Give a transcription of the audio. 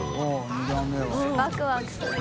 池田）ワクワクする。